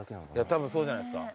たぶんそうじゃないですか？